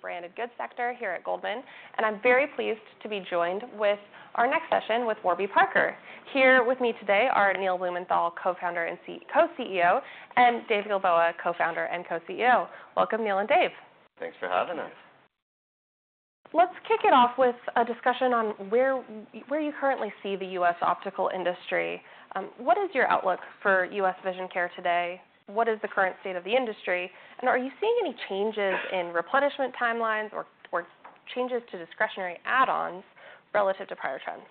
And branded goods sector here at Goldman, and I'm very pleased to be joined with our next session with Warby Parker. Here with me today are Neil Blumenthal, co-founder and co-CEO, and Dave Gilboa, co-founder and co-CEO. Welcome, Neil and Dave. Thanks for having us. Let's kick it off with a discussion on where you currently see the U.S. optical industry. What is your outlook for U.S. vision care today? What is the current state of the industry, and are you seeing any changes in replenishment timelines or changes to discretionary add-ons relative to prior trends?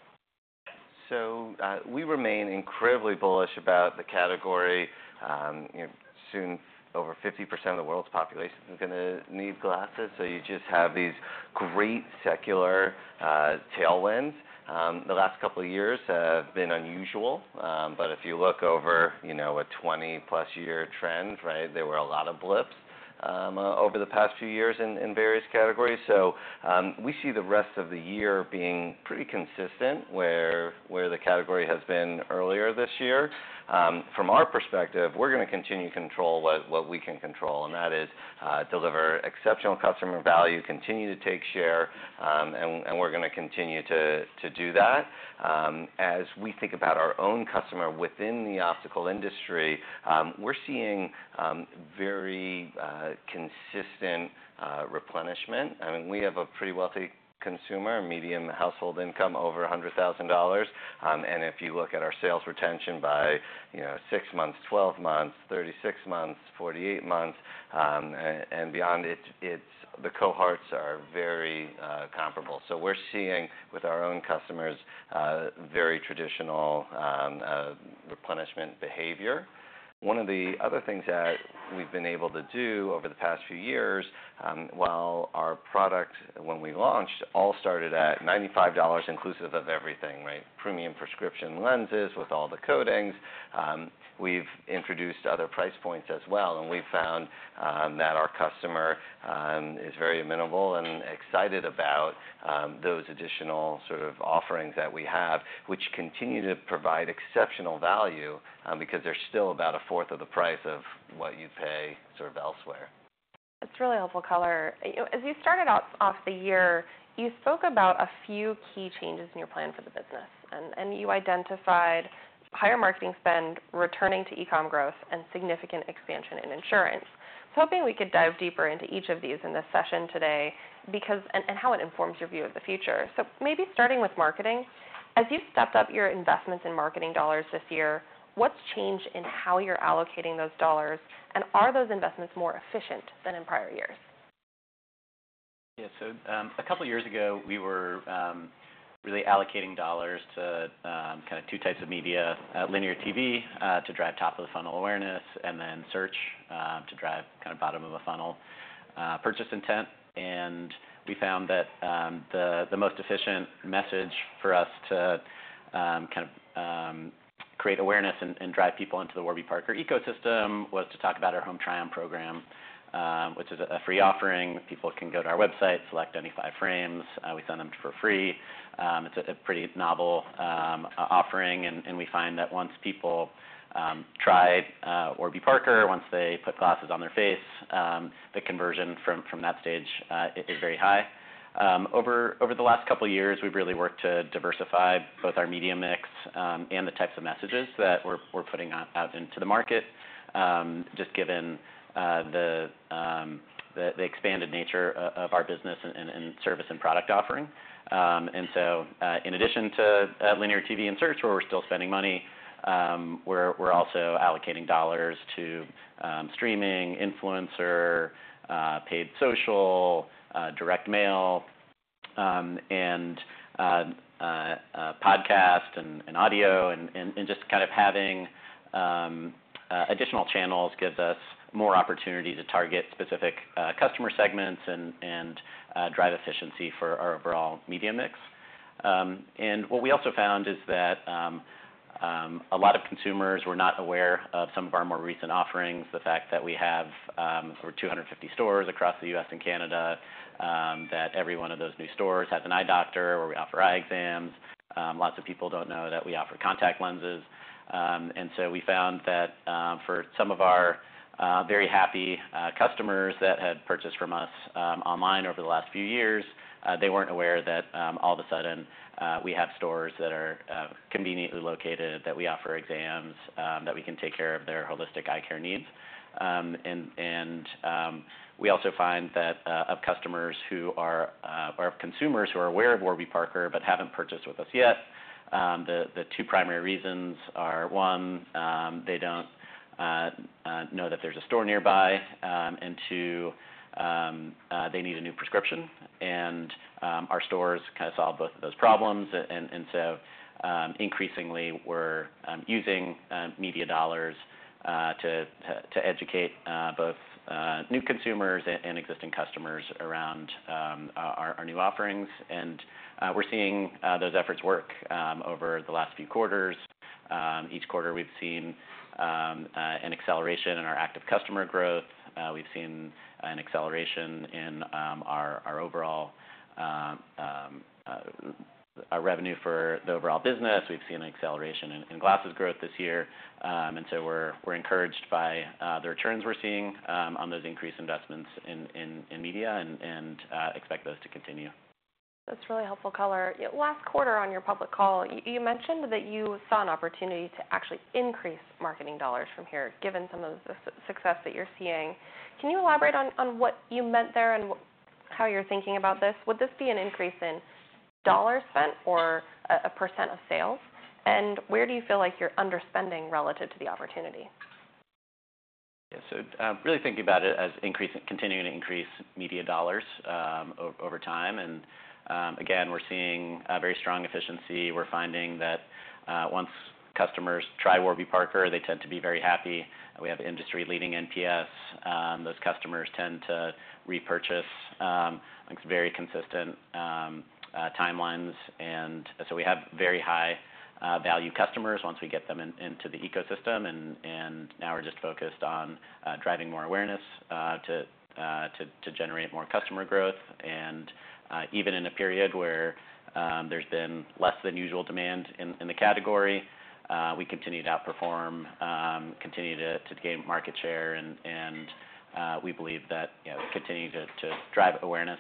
We remain incredibly bullish about the category. You know, soon, over 50% of the world's population is gonna need glasses, so you just have these great secular tailwinds. The last couple of years have been unusual, but if you look over, you know, a 20+ year trend, right, there were a lot of blips over the past few years in various categories. We see the rest of the year being pretty consistent, where the category has been earlier this year. From our perspective, we're gonna continue to control what we can control, and that is, deliver exceptional customer value, continue to take share, and we're gonna continue to do that. As we think about our own customer within the optical industry, we're seeing very consistent replenishment. I mean, we have a pretty wealthy consumer, median household income, over $100,000. And if you look at our sales retention by, you know, six months, 12 months, 36 months, 48 months, and beyond, it's the cohorts are very comparable. So we're seeing, with our own customers, very traditional replenishment behavior. One of the other things that we've been able to do over the past few years, while our product, when we launched, all started at $95, inclusive of everything, right? Premium prescription lenses with all the coatings. We've introduced other price points as well, and we've found that our customer is very amenable and excited about those additional sort of offerings that we have, which continue to provide exceptional value because they're still about 1/4 of the price of what you'd pay sort of elsewhere. That's really helpful color. You know, as you started off the year, you spoke about a few key changes in your plan for the business, and you identified higher marketing spend, returning to e-com growth, and significant expansion in insurance. I was hoping we could dive deeper into each of these in this session today, because and how it informs your view of the future. So maybe starting with marketing. As you've stepped up your investments in marketing dollars this year, what's changed in how you're allocating those dollars, and are those investments more efficient than in prior years? Yeah, so a couple of years ago, we were really allocating dollars to kind of two types of media: linear TV to drive top-of-the-funnel awareness, and then search to drive kind of bottom-of-the-funnel purchase intent. And we found that the most efficient message for us to kind of create awareness and drive people into the Warby Parker ecosystem was to talk about our Home Try-On program, which is a free offering. People can go to our website, select any five frames, we send them for free. It's a pretty novel offering, and we find that once people try Warby Parker, once they put glasses on their face, the conversion from that stage is very high. Over the last couple of years, we've really worked to diversify both our media mix and the types of messages that we're putting out into the market, just given the expanded nature of our business and service and product offering. So, in addition to linear TV and search, where we're still spending money, we're also allocating dollars to streaming, influencer, paid social, direct mail, and podcast and audio, and just kind of having additional channels gives us more opportunity to target specific customer segments and drive efficiency for our overall media mix. What we also found is that a lot of consumers were not aware of some of our more recent offerings. The fact that we have over 250 stores across the U.S. and Canada, that every one of those new stores has an eye doctor, where we offer eye exams. Lots of people don't know that we offer contact lenses, and so we found that, for some of our very happy customers that had purchased from us online over the last few years, they weren't aware that all of a sudden we have stores that are conveniently located, that we offer exams, that we can take care of their holistic eye care needs. And we also find that of customers who are or consumers who are aware of Warby Parker but haven't purchased with us yet, the two primary reasons are, one, they don't know that there's a store nearby, and two, they need a new prescription, and our stores kind of solve both of those problems. And so increasingly we're using media dollars to educate both new consumers and existing customers around our new offerings. And we're seeing those efforts work over the last few quarters. Each quarter, we've seen an acceleration in our active customer growth. We've seen an acceleration in our overall revenue for the overall business. We've seen an acceleration in glasses growth this year, and so we're encouraged by the returns we're seeing on those increased investments in media and expect those to continue. That's really helpful color. Yeah, last quarter on your public call, you mentioned that you saw an opportunity to actually increase marketing dollars from here, given some of the success that you're seeing. Can you elaborate on what you meant there and how you're thinking about this? Would this be an increase in dollars spent or a percent of sales? And where do you feel like you're underspending relative to the opportunity? Yeah. So, really thinking about it as continuing to increase media dollars over time. And again, we're seeing a very strong efficiency. We're finding that once customers try Warby Parker, they tend to be very happy. We have industry-leading NPS. Those customers tend to repurchase, it's very consistent timelines. And so we have very high value customers once we get them into the ecosystem, and now we're just focused on driving more awareness to generate more customer growth. And even in a period where there's been less than usual demand in the category, we continue to outperform, continue to gain market share. We believe that, you know, continuing to drive awareness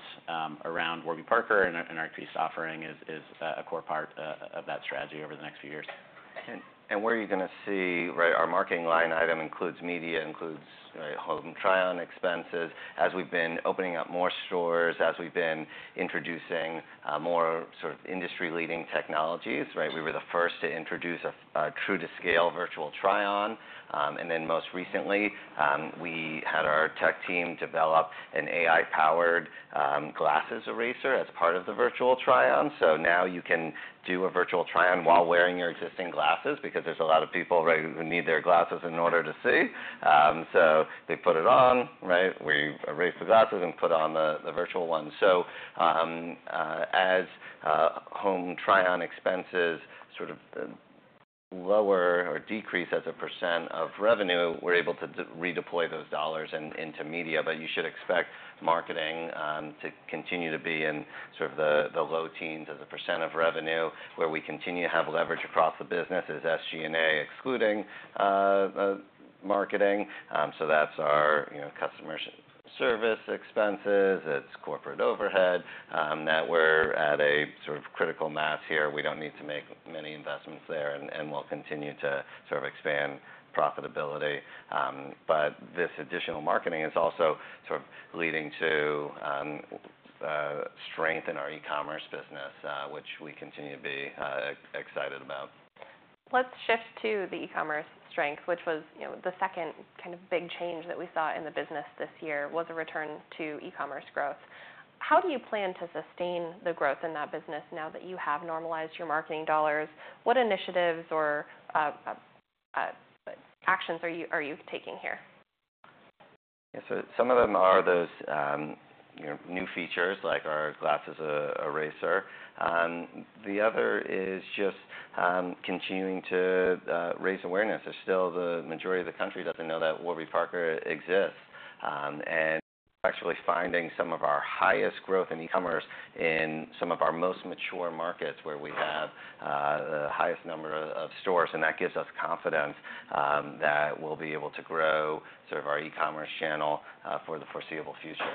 around Warby Parker and our increased offering is a core part of that strategy over the next few years. And where are you gonna see, right? Our marketing line item includes media, includes, right, Home Try-On expenses. As we've been opening up more stores, as we've been introducing more sort of industry-leading technologies, right? We were the first to introduce a true-to-scale Virtual Try-On. And then most recently, we had our tech team develop an AI-powered glasses eraser as part of the Virtual Try-On. So now you can do a Virtual Try-On while wearing your existing glasses, because there's a lot of people, right, who need their glasses in order to see. So they put it on, right? We erase the glasses and put on the virtual ones. So as Home Try-On expenses sort of lower or decrease as a percent of revenue, we're able to redeploy those dollars into media. But you should expect marketing to continue to be in sort of the low teens as a percent of revenue, where we continue to have leverage across the business as SG&A, excluding marketing. So that's our, you know, customer service expenses, it's corporate overhead, that we're at a sort of critical mass here. We don't need to make many investments there, and we'll continue to sort of expand profitability. But this additional marketing is also sort of leading to strength in our e-commerce business, which we continue to be excited about. Let's shift to the e-commerce strength, which was, you know, the second kind of big change that we saw in the business this year, was a return to e-commerce growth. How do you plan to sustain the growth in that business now that you have normalized your marketing dollars? What initiatives or actions are you taking here? Yeah, so some of them are those, you know, new features like our glasses eraser. The other is just continuing to raise awareness. There's still the majority of the country doesn't know that Warby Parker exists. And actually finding some of our highest growth in e-commerce in some of our most mature markets, where we have the highest number of stores, and that gives us confidence that we'll be able to grow sort of our e-commerce channel for the foreseeable future.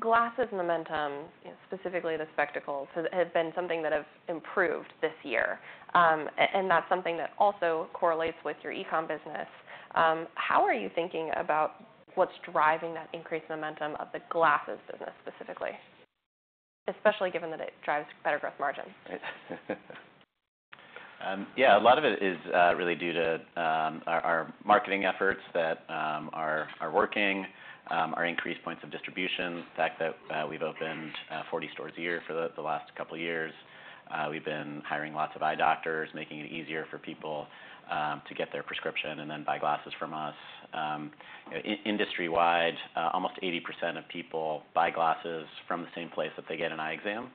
Glasses momentum, specifically the spectacles, have been something that have improved this year. And that's something that also correlates with your e-com business. How are you thinking about what's driving that increased momentum of the glasses business specifically, especially given that it drives better gross margin? Yeah, a lot of it is really due to our marketing efforts that are working, our increased points of distribution. The fact that we've opened 40 stores a year for the last couple of years. We've been hiring lots of eye doctors, making it easier for people to get their prescription and then buy glasses from us. Industry-wide, almost 80% of people buy glasses from the same place that they get an eye exam.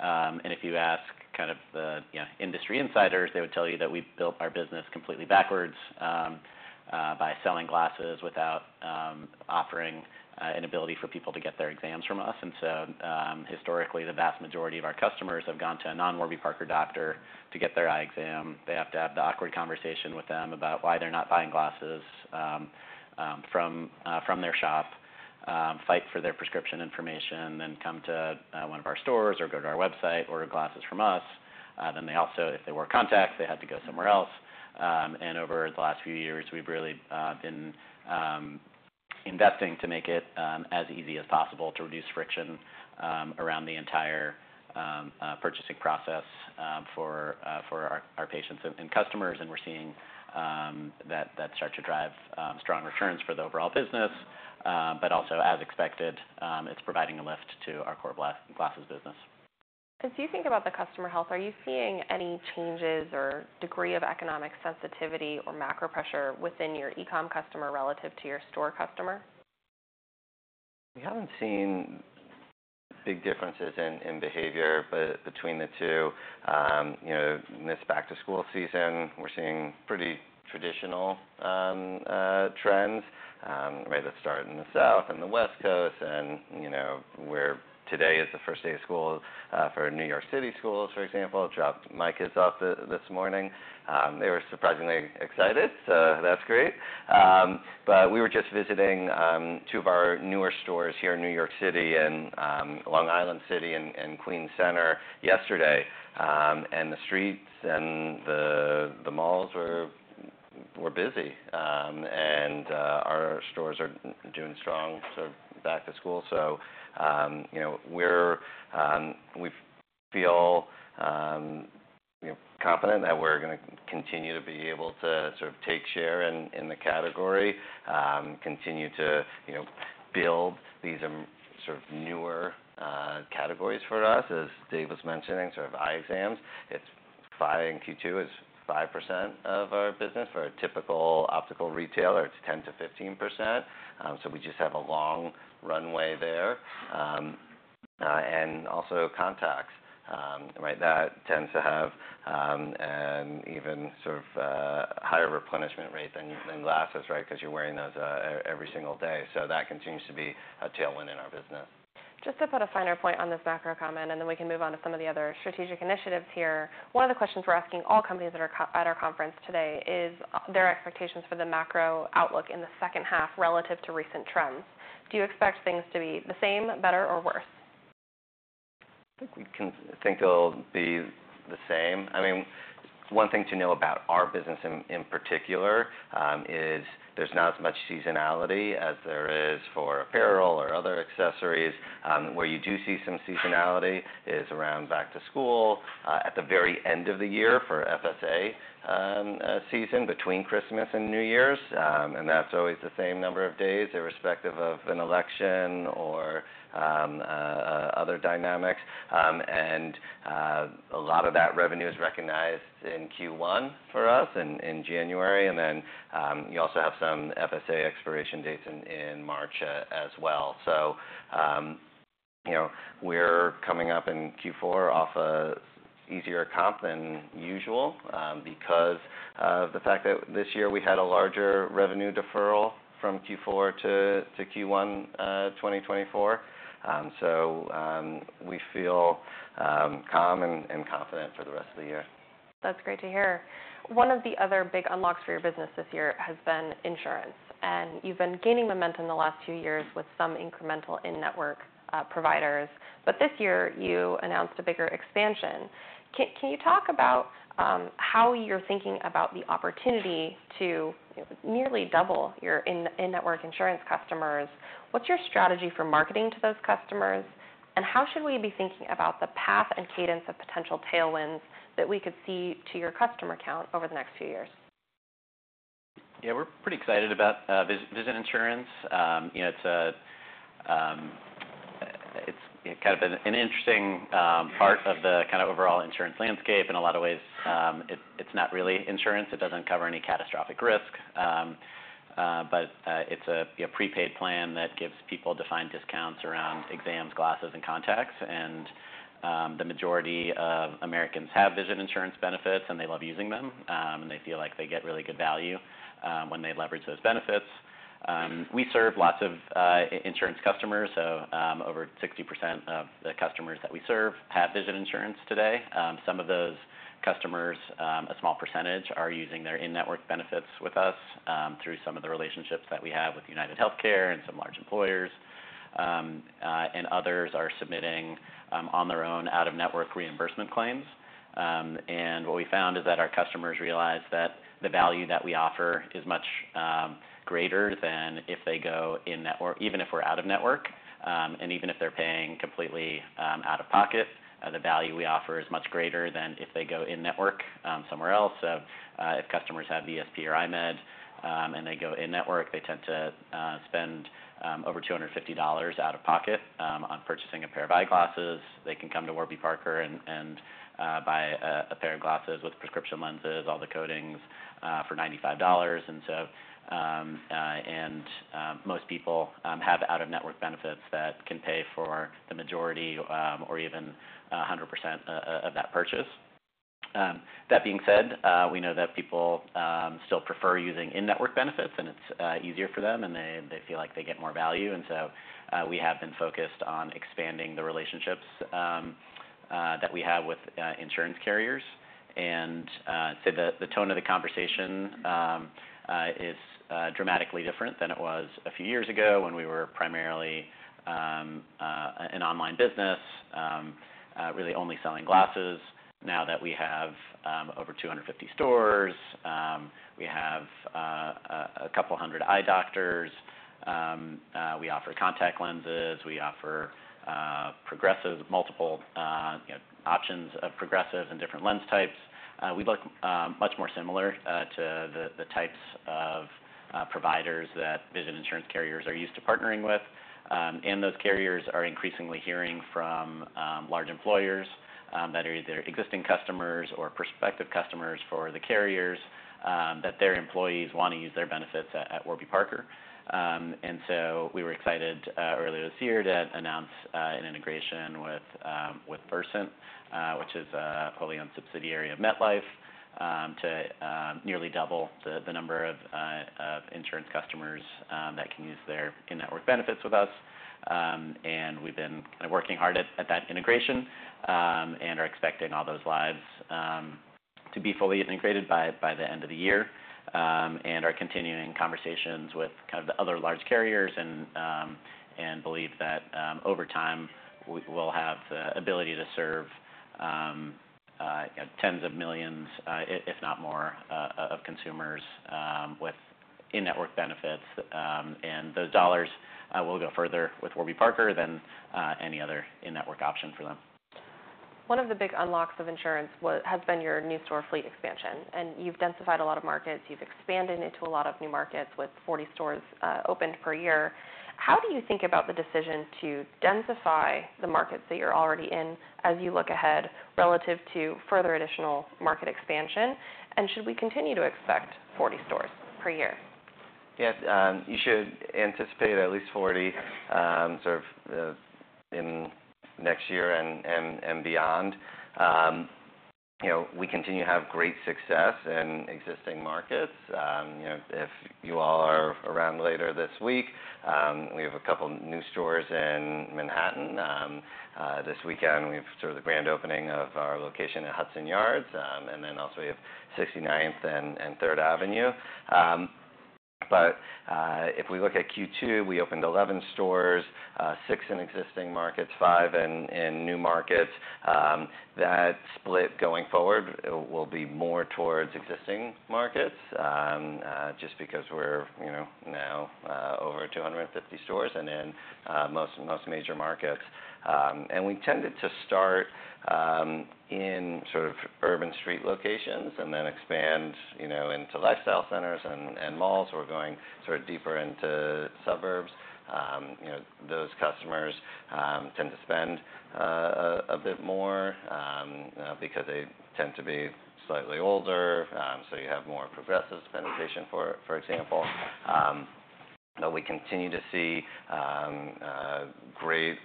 And if you ask kind of the, you know, industry insiders, they would tell you that we've built our business completely backwards by selling glasses without offering an ability for people to get their exams from us. Historically, the vast majority of our customers have gone to a non-Warby Parker doctor to get their eye exam. They have to have the awkward conversation with them about why they're not buying glasses from their shop, fight for their prescription information, then come to one of our stores or go to our website, order glasses from us. They also, if they wore contacts, they had to go somewhere else. Over the last few years, we've really been investing to make it as easy as possible to reduce friction around the entire purchasing process for our patients and customers. We're seeing that start to drive strong returns for the overall business. But also, as expected, it's providing a lift to our core glasses business. As you think about the customer health, are you seeing any changes or degree of economic sensitivity or macro pressure within your e-com customer relative to your store customer?... We haven't seen big differences in behavior, but between the two. You know, this back-to-school season, we're seeing pretty traditional trends right at the start in the South and the West Coast, and you know, where today is the first day of school for New York City schools, for example, I dropped my kids off this morning. They were surprisingly excited, so that's great, but we were just visiting two of our newer stores here in New York City and Long Island City and Queens Center yesterday, and the streets and the malls were busy, and our stores are doing strong, sort of back to school. So, you know, we feel, you know, confident that we're gonna continue to be able to sort of take share in the category, continue to, you know, build these sort of newer categories for us. As Dave was mentioning, sort of, eye exams, it's 5% in Q2, it's 5% of our business. For a typical optical retailer, it's 10%-15%. So we just have a long runway there. And also contacts, right? That tends to have an even sort of higher replenishment rate than glasses, right? Because you're wearing those every single day. So that continues to be a tailwind in our business. Just to put a finer point on this macro comment, and then we can move on to some of the other strategic initiatives here. One of the questions we're asking all companies that are at our conference today is, their expectations for the macro outlook in the second half relative to recent trends. Do you expect things to be the same, better, or worse? I think we can think it'll be the same. I mean, one thing to know about our business in particular is there's not as much seasonality as there is for apparel or other accessories. Where you do see some seasonality is around back to school, at the very end of the year for FSA season, between Christmas and New Year's. And that's always the same number of days, irrespective of an election or other dynamics. And a lot of that revenue is recognized in Q1 for us, in January. And then you also have some FSA expiration dates in March as well. You know, we're coming up in Q4 off an easier comp than usual, because of the fact that this year we had a larger revenue deferral from Q4 to Q1, 2024. We feel calm and confident for the rest of the year. That's great to hear. One of the other big unlocks for your business this year has been insurance, and you've been gaining momentum in the last two years with some incremental in-network providers. But this year, you announced a bigger expansion. Can you talk about how you're thinking about the opportunity to, you know, nearly double your in-network insurance customers? What's your strategy for marketing to those customers, and how should we be thinking about the path and cadence of potential tailwinds that we could see to your customer count over the next few years? Yeah, we're pretty excited about vision insurance. You know, it's a, it's kind of an interesting part of the kind of overall insurance landscape. In a lot of ways, it's not really insurance. It doesn't cover any catastrophic risk. But it's a you know, prepaid plan that gives people defined discounts around exams, glasses, and contacts, and the majority of Americans have vision insurance benefits, and they love using them, and they feel like they get really good value when they leverage those benefits. We serve lots of insurance customers, so over 60% of the customers that we serve have vision insurance today. Some of those customers, a small percentage, are using their in-network benefits with us through some of the relationships that we have with UnitedHealthcare and some large employers. Others are submitting on their own out-of-network reimbursement claims. What we found is that our customers realize that the value that we offer is much greater than if they go in-network, even if we're out-of-network, and even if they're paying completely out of pocket, the value we offer is much greater than if they go in-network somewhere else. If customers have VSP or EyeMed, and they go in-network, they tend to spend over $250 out of pocket on purchasing a pair of eyeglasses. They can come to Warby Parker and buy a pair of glasses with prescription lenses, all the coatings, for $95, and so most people have out-of-network benefits that can pay for the majority, or even 100% of that purchase. That being said, we know that people still prefer using in-network benefits, and it's easier for them, and they feel like they get more value, and so we have been focused on expanding the relationships that we have with insurance carriers, and so the tone of the conversation is dramatically different than it was a few years ago when we were primarily an online business really only selling glasses. Now that we have over 250 stores, we have a couple hundred eye doctors. We offer contact lenses. We offer progressive, multiple, you know, options of progressive and different lens types.... We look much more similar to the types of providers that vision insurance carriers are used to partnering with, and those carriers are increasingly hearing from large employers that are either existing customers or prospective customers for the carriers that their employees want to use their benefits at Warby Parker, and so we were excited earlier this year to announce an integration with Versant, which is a wholly owned subsidiary of MetLife, to nearly double the number of insurance customers that can use their in-network benefits with us, and we've been working hard at that integration and are expecting all those lives to be fully integrated by the end of the year. And are continuing conversations with kind of the other large carriers, and believe that over time, we'll have the ability to serve tens of millions, if not more, of consumers with in-network benefits. And those dollars will go further with Warby Parker than any other in-network option for them. One of the big unlocks of insurance has been your new store fleet expansion, and you've densified a lot of markets. You've expanded into a lot of new markets with 40 stores opened per year. How do you think about the decision to densify the markets that you're already in as you look ahead, relative to further additional market expansion? And should we continue to expect 40 stores per year? Yes, you should anticipate at least 40, sort of, in next year and beyond. You know, we continue to have great success in existing markets. You know, if you all are around later this week, we have a couple new stores in Manhattan. This weekend, we have sort of the grand opening of our location at Hudson Yards. And then also we have 69th and Third Avenue. But if we look at Q2, we opened 11 stores, six in existing markets, five in new markets. That split going forward, it will be more towards existing markets, just because we're, you know, now, over 250 stores and in most major markets. And we tended to start in sort of urban street locations and then expand, you know, into lifestyle centers and malls. We're going sort of deeper into suburbs. You know, those customers tend to spend a bit more because they tend to be slightly older. So you have more progressive dispensing, for example. But we continue to see great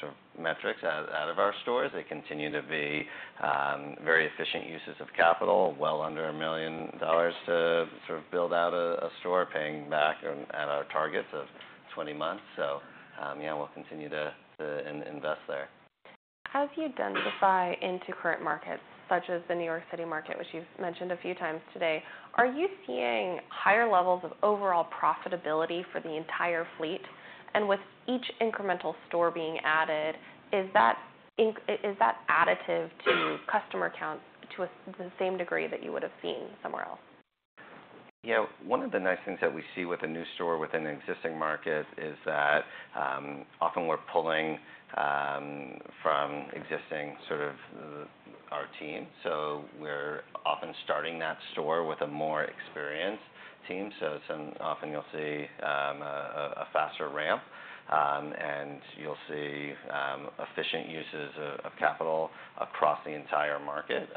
sort of metrics out of our stores. They continue to be very efficient uses of capital, well under $1 million to sort of build out a store, paying back at our targets of 20 months. So, yeah, we'll continue to invest there. As you densify into current markets, such as the New York City market, which you've mentioned a few times today, are you seeing higher levels of overall profitability for the entire fleet? And with each incremental store being added, is that additive to customer counts to the same degree that you would have seen somewhere else? Yeah, one of the nice things that we see with a new store within an existing market is that, often we're pulling from existing sort of our team. So we're often starting that store with a more experienced team. So often you'll see a faster ramp and you'll see efficient uses of capital across the entire market.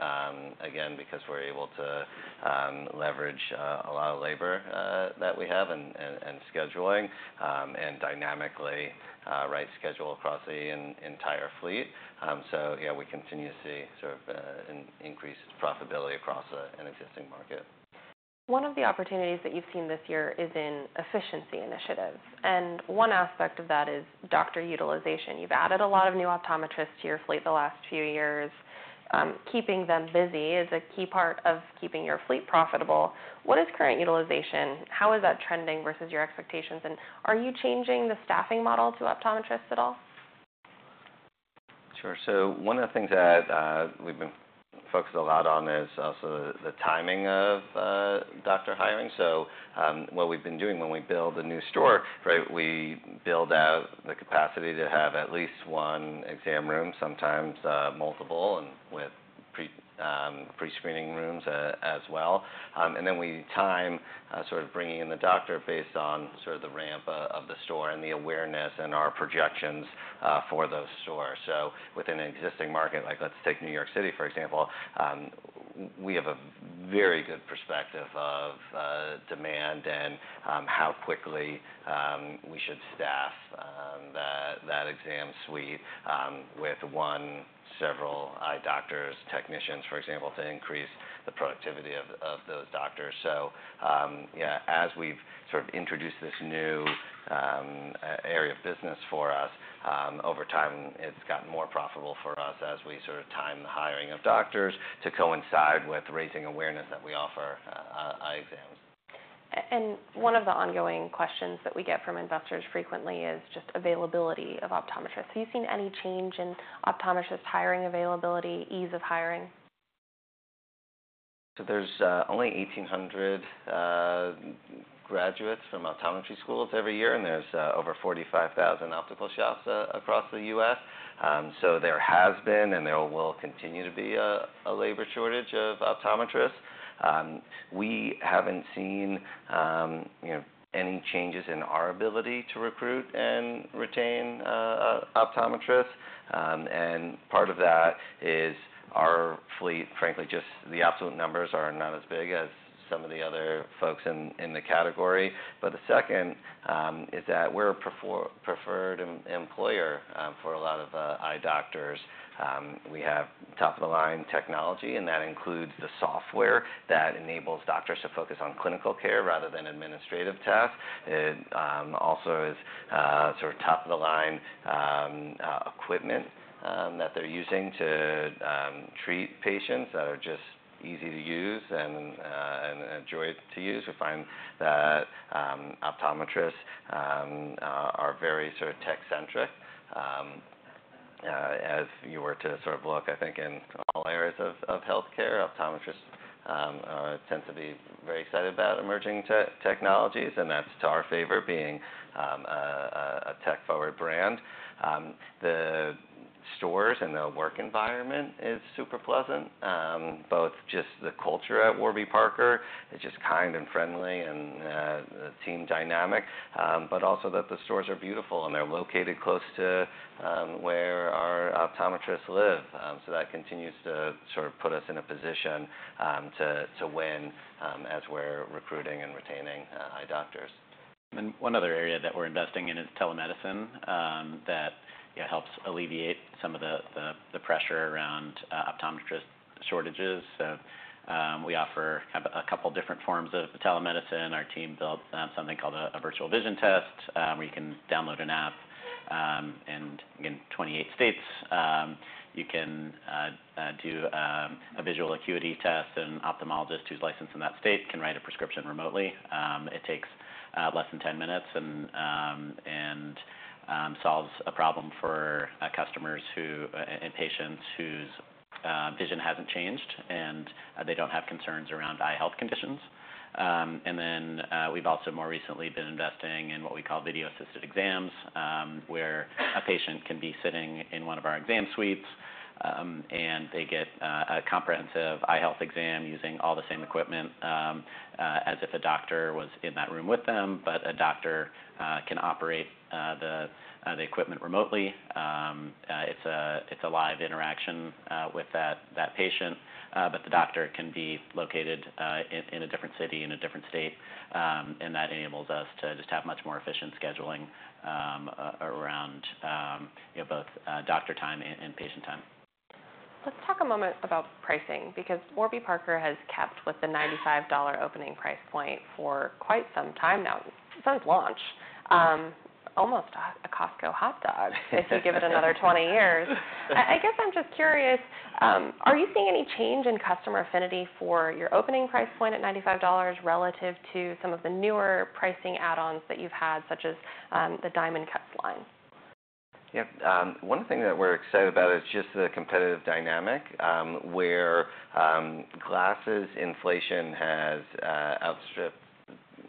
Again, because we're able to leverage a lot of labor that we have and scheduling and dynamically reschedule across the entire fleet. So yeah, we continue to see sort of increased profitability across an existing market. One of the opportunities that you've seen this year is in efficiency initiatives, and one aspect of that is doctor utilization. You've added a lot of new optometrists to your fleet the last few years. Keeping them busy is a key part of keeping your fleet profitable. What is current utilization? How is that trending versus your expectations, and are you changing the staffing model to optometrists at all? Sure. So one of the things that we've been focused a lot on is also the timing of doctor hiring. So what we've been doing when we build a new store, right, we build out the capacity to have at least one exam room, sometimes multiple, and with pre-screening rooms as well. And then we time sort of bringing in the doctor based on sort of the ramp of the store and the awareness and our projections for those stores. So within an existing market, like, let's take New York City, for example, we have a very good perspective of demand and how quickly we should staff that exam suite with one, several eye doctors, technicians, for example, to increase the productivity of those doctors. Yeah, as we've sort of introduced this new area of business for us, over time, it's gotten more profitable for us as we sort of time the hiring of doctors to coincide with raising awareness that we offer eye exams. And one of the ongoing questions that we get from investors frequently is just availability of optometrists. Have you seen any change in optometrists hiring availability, ease of hiring?... So there's only 1,800 graduates from optometry schools every year, and there's over 45,000 optical shops across the U.S. So there has been, and there will continue to be a labor shortage of optometrists. We haven't seen, you know, any changes in our ability to recruit and retain optometrists. And part of that is our fleet, frankly, just the absolute numbers are not as big as some of the other folks in the category. But the second is that we're a preferred employer for a lot of eye doctors. We have top-of-the-line technology, and that includes the software that enables doctors to focus on clinical care rather than administrative tasks. It also is sort of top-of-the-line equipment that they're using to treat patients that are just easy to use and a joy to use. We find that optometrists are very sort of tech-centric. As you were to sort of look, I think in all areas of healthcare, optometrists tend to be very excited about emerging technologies, and that's to our favor, being a tech-forward brand. The stores and the work environment is super pleasant. Both just the culture at Warby Parker is just kind and friendly and the team dynamic, but also that the stores are beautiful, and they're located close to where our optometrists live. So that continues to sort of put us in a position to win as we're recruiting and retaining eye doctors. One other area that we're investing in is telemedicine, that you know helps alleviate some of the pressure around optometrist shortages. We offer kind of a couple different forms of telemedicine. Our team built something called a Virtual Vision Test, where you can download an app, and in 28 states you can do a visual acuity test, and an ophthalmologist who's licensed in that state can write a prescription remotely. It takes less than 10 minutes and solves a problem for customers and patients whose vision hasn't changed, and they don't have concerns around eye health conditions. And then, we've also more recently been investing in what we call video-assisted exams, where a patient can be sitting in one of our exam suites, and they get a comprehensive eye health exam using all the same equipment as if a doctor was in that room with them. But a doctor can operate the equipment remotely. It's a live interaction with that patient, but the doctor can be located in a different city, in a different state. And that enables us to just have much more efficient scheduling around, you know, both doctor time and patient time. Let's talk a moment about pricing, because Warby Parker has kept with the $95 opening price point for quite some time now, since launch. Almost a Costco hot dog, if you give it another 20 years. I guess I'm just curious, are you seeing any change in customer affinity for your opening price point at $95 relative to some of the newer pricing add-ons that you've had, such as, the Diamond Cut line? Yep. One thing that we're excited about is just the competitive dynamic, where glasses inflation has outstripped,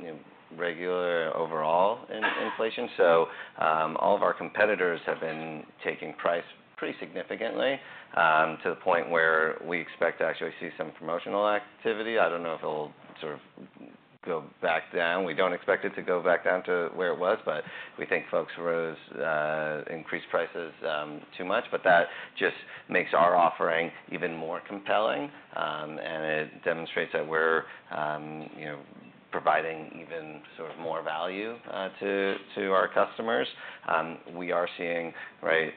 you know, regular overall inflation. So, all of our competitors have been taking price pretty significantly, to the point where we expect to actually see some promotional activity. I don't know if it'll sort of go back down. We don't expect it to go back down to where it was, but we think folks raised prices too much. But that just makes our offering even more compelling, and it demonstrates that we're, you know, providing even sort of more value to our customers. We are seeing, right,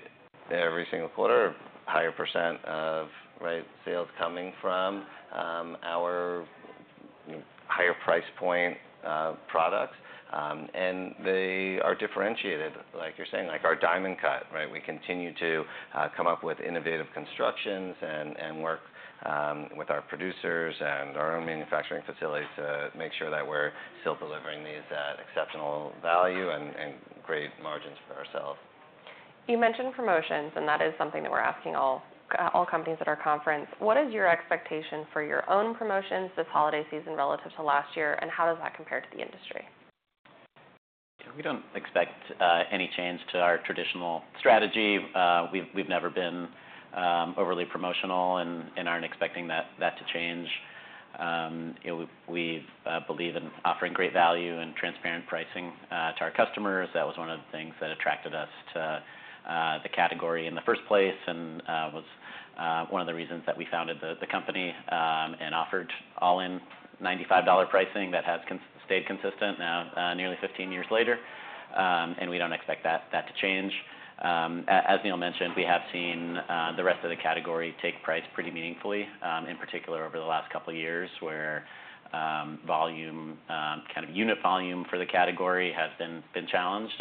every single quarter, a higher percent of, right, sales coming from our, you know, higher price point products. And they are differentiated, like you're saying, like our Diamond Cut, right? We continue to come up with innovative constructions and work with our producers and our own manufacturing facilities to make sure that we're still delivering these at exceptional value and great margins for ourselves. You mentioned promotions, and that is something that we're asking all companies at our conference. What is your expectation for your own promotions this holiday season relative to last year, and how does that compare to the industry? We don't expect any change to our traditional strategy. We've never been overly promotional and aren't expecting that to change. You know, we believe in offering great value and transparent pricing to our customers. That was one of the things that attracted us to the category in the first place, and was one of the reasons that we founded the company and offered all-in $95 pricing. That has stayed consistent now nearly 15 years later, and we don't expect that to change. As Neil mentioned, we have seen the rest of the category take price pretty meaningfully, in particular over the last couple of years, where volume kind of unit volume for the category has been challenged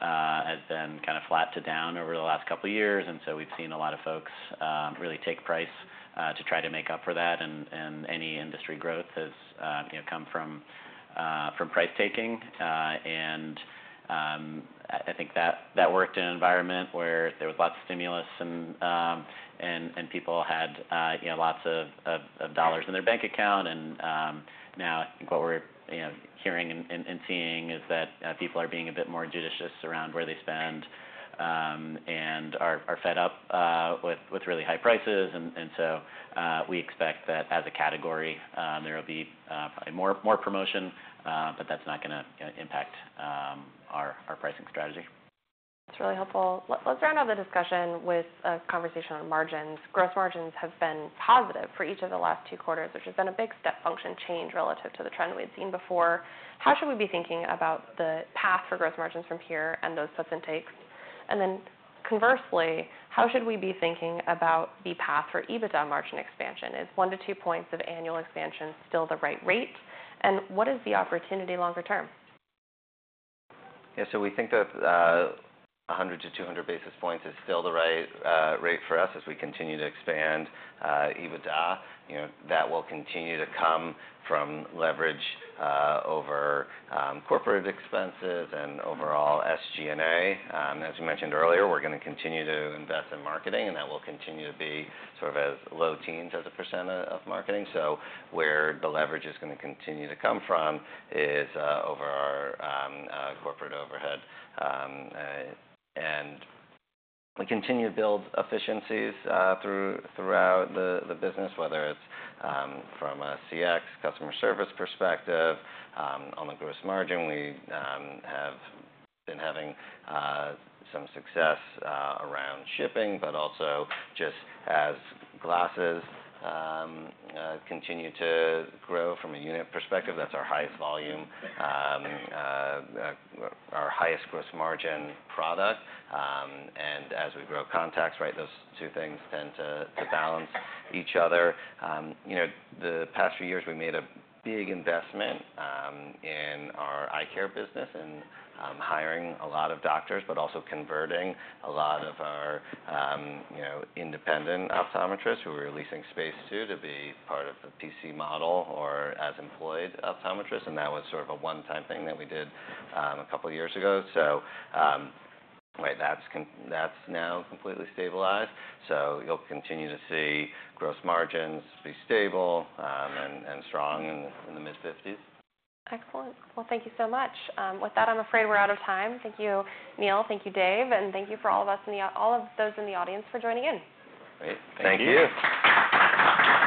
and has been kind of flat to down over the last couple of years. And so we've seen a lot of folks really take price to try to make up for that, and any industry growth has you know come from price taking.... I think that worked in an environment where there was lots of stimulus and people had you know lots of dollars in their bank account. Now I think what we're hearing and seeing is that people are being a bit more judicious around where they spend and are fed up with really high prices. We expect that as a category there will be probably more promotion but that's not gonna impact our pricing strategy. That's really helpful. Let's round out the discussion with a conversation on margins. Gross margins have been positive for each of the last two quarters, which has been a big step function change relative to the trend we had seen before. How should we be thinking about the path for gross margins from here and those inputs and takes? And then conversely, how should we be thinking about the path for EBITDA margin expansion? Is one-to-two points of annual expansion still the right rate? And what is the opportunity longer term? Yeah, so we think that 100-200 basis points is still the right rate for us as we continue to expand EBITDA. You know, that will continue to come from leverage over corporate expenses and overall SG&A. As we mentioned earlier, we're gonna continue to invest in marketing, and that will continue to be sort of low teens as a percent of marketing. So where the leverage is gonna continue to come from is over our corporate overhead. And we continue to build efficiencies throughout the business, whether it's from a CX customer service perspective. On the gross margin, we have been having some success around shipping, but also just as glasses continue to grow from a unit perspective, that's our highest volume, our highest gross margin product. And as we grow contacts, right, those two things tend to balance each other. You know, the past few years, we made a big investment in our eye care business and hiring a lot of doctors, but also converting a lot of our, you know, independent optometrists who we're leasing space to, to be part of the PC model or as employed optometrists. And that was sort of a one-time thing that we did a couple of years ago. Right, that's now completely stabilized, so you'll continue to see gross margins be stable and strong in the mid-50s. Excellent. Thank you so much. With that, I'm afraid we're out of time. Thank you, Neil, thank you, Dave, and thank you to all of those in the audience for joining in. Great. Thank you. Thank you.